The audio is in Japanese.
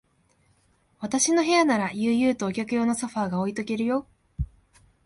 私の部屋なら、悠々とお客用のソファーが置いとけるよ。